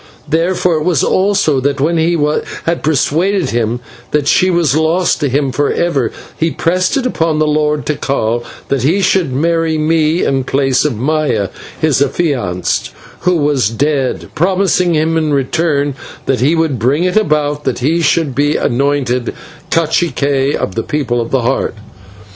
Therefore it was also that when he had persuaded him that she was lost to him forever, he pressed it upon the Lord Tikal that he should marry me in place of Maya, his affianced, who was dead, promising him in return that he would bring it about that he should be anointed /cacique/ of the People of the Heart.